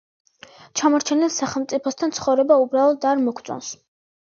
ჩამორჩენილ სახელმწიფოსთან ცხოვრება უბრალოდ არ მოგვწონს.